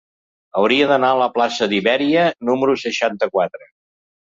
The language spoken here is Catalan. Hauria d'anar a la plaça d'Ibèria número seixanta-quatre.